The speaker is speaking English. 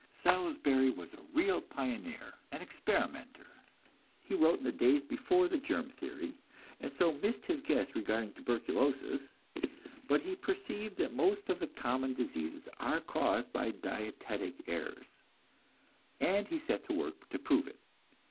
Salisbury was a real pioneer, an experimenter. He wrote in the days before the germ theory, and so missed his guess regarding tuberculosis, but he perceived that most of the common diseases are caused by dietetic errors, and he set to work to prove it.